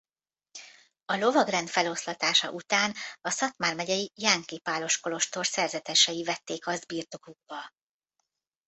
A lovagrend feloszlatása után a Szatmár megyei jánki pálos kolostor szerzetesei vették azt birtokukba.